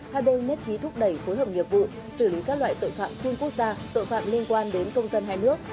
hai bên nhất trí thúc đẩy phối hợp nghiệp vụ xử lý các loại tội phạm xuyên quốc gia tội phạm liên quan đến công dân hai nước